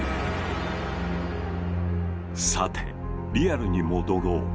さてリアルに戻ろう。